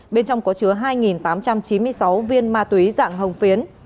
bên trong có chứa hai tám trăm chín mươi sáu viên ma túy dạng hồng phiến